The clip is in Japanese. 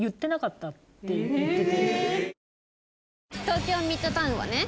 東京ミッドタウンはね